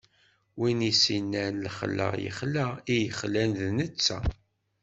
Win i s-innan lexla ixla, i yexlan d netta.